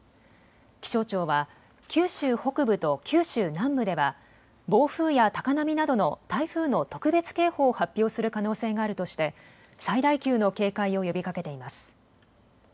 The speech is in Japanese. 気象庁は九州北部と九州南部では暴風や高波などの台風の特別警報を発表する可能性があるとして最大級の警戒を呼びかけています。